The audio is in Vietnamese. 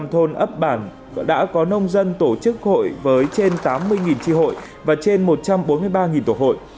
một trăm linh thôn ấp bản đã có nông dân tổ chức hội với trên tám mươi tri hội và trên một trăm bốn mươi ba tổ hội